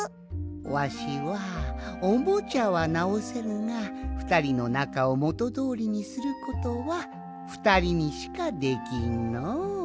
わしはおもちゃはなおせるがふたりのなかをもとどおりにすることはふたりにしかできんのう。